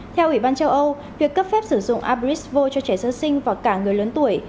theo ủy ban châu âu việc cấp phép sử dụng abrisvo cho trẻ sơ sinh và cả người lớn tuổi